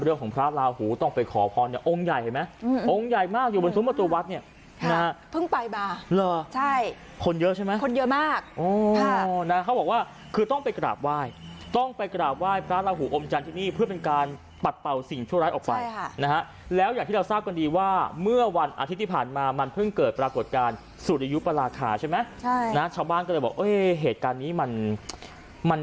เรื่องของพระราหูต้องไปขอพรเนี่ยองค์ใหญ่เห็นไหมองค์ใหญ่มากอยู่บนซุ้มประตูวัดเนี่ย